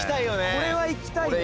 「これはいきたいよ」